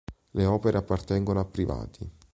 Le opere appartengono a privati.